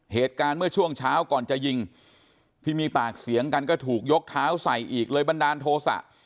เหตุการณ์เมื่อช่วงเช้าก่อนจะยิงที่มีปากเสียงกันก็ถูกยกเท้าใส่อีกเลยบันดาลโทษะ